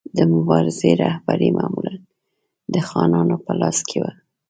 د مبارزې رهبري معمولا د خانانو په لاس کې وه.